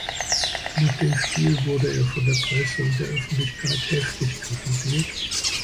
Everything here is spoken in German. Nach dem Spiel wurde er von der Presse und der Öffentlichkeit heftig kritisiert.